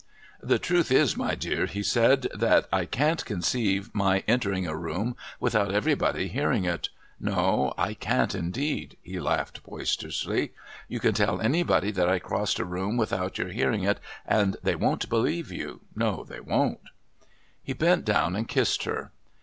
"The truth is, my dear," he said, "that I can't conceive my entering a room without everybody hearing it. No, I can't indeed," he laughed boisterously. "You tell anybody that I crossed a room without your hearing it, and they won't believe you. No, they wont." He bent down and kissed her.